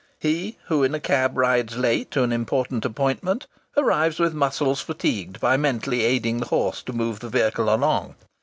He who in a cab rides late to an important appointment, arrives with muscles fatigued by mentally aiding the horse to move the vehicle along.